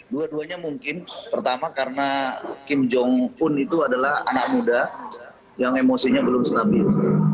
dua duanya mungkin pertama karena kim jong un itu adalah anak muda yang emosinya belum stabil